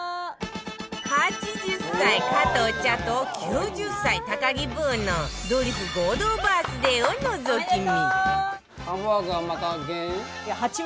８０歳加藤茶と９０歳高木ブーのドリフ合同バースデーをのぞき見